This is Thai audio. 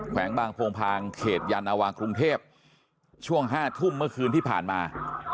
วงบางโพงพางเขตยานวางกรุงเทพช่วง๕ทุ่มเมื่อคืนที่ผ่านมา